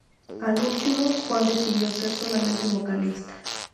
Al último, Juan decidió ser solamente vocalista.